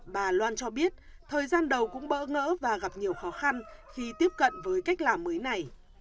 bà loan cho biết thời gian đầu cũng bỡ ngỡ và gặp nhiều khó khăn khi tiếp cận với cách làm mới này